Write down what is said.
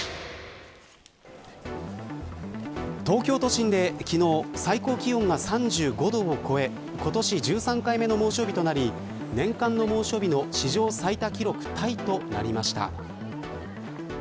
東京都心で昨日、最高気温が３５度を超え今年１３回目の猛暑日となり年間の猛暑日の史上最多記録タイとなりました。